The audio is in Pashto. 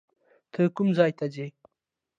ته کوم ځای ته ځې؟